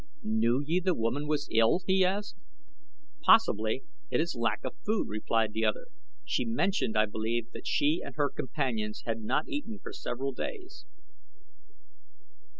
"Knew you the woman was ill?" he asked. "Possibly it is lack of food," replied the other. "She mentioned, I believe, that she and her companions had not eaten for several days."